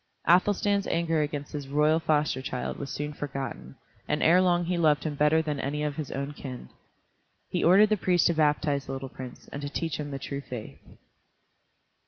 Athelstan's anger against his royal foster child was soon forgotten, and ere long he loved him better than any of his own kin. He ordered the priest to baptize the little prince, and to teach him the true faith.